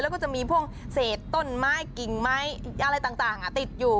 แล้วก็จะมีพวกเศษต้นไม้กิ่งไม้อะไรต่างติดอยู่